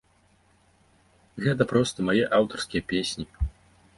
Гэта проста мае аўтарскія песні.